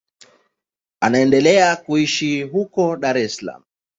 Anaendelea kuishi huko Dar es Salaam.